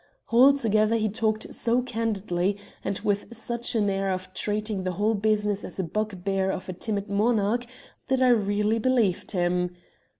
"Altogether he talked so candidly, and with such an air of treating the whole business as the bugbear of a timid monarch, that I really believed him.